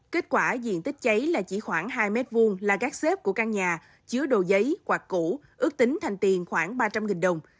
kết quả diện tích cháy là chỉ khoảng hai m hai là gác xếp của căn nhà chứa đồ giấy quạt củ ước tính thành tiền khoảng ba trăm linh đồng